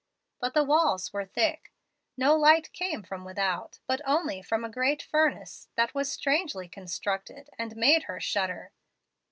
But the walls were thick. No light came from without, but only from a great furnace, that was Strangely constructed and made her shudder.